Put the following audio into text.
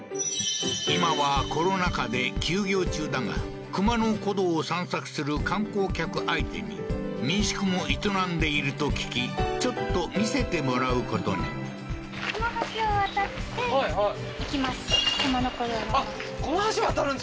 今はコロナ禍で休業中だが熊野古道を散策する観光客相手に民宿も営んでいると聞きちょっと見せてもらうことに熊野古道あっこの橋渡るんですか？